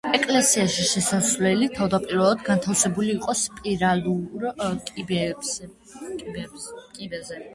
ეკლესიაში შესასვლელი თავდაპირველად განთავსებული იყო სპირალურ კიბეზე.